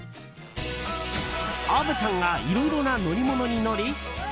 虻ちゃんがいろいろな乗り物に乗り